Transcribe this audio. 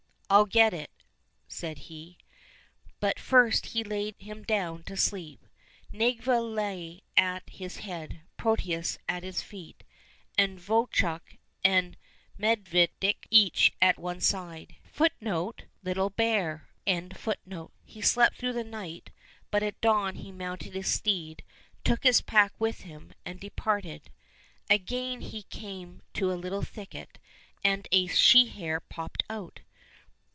"—" I'll get it," said he. But first he laid him down to sleep. Nedviga lay at his head, Protius at his feet, and Vovchok and Medvedik ^ each on one side. He slept through the night, but at dawn he mounted his steed, took his pack with him, and departed. Again he came to a little thicket, and a she hare popped out.